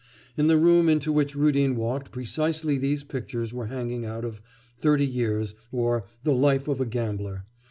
In the room into which Rudin walked precisely these pictures were hanging out of 'Thirty Years, or the Life of a Gambler.